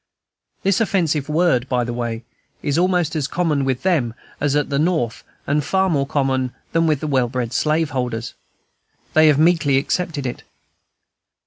This offensive word, by the way, is almost as common with them as at the North, and far more common than with well bred slaveholders. They have meekly accepted it.